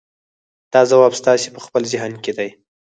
دا ځواب ستاسې په خپل ذهن کې دی.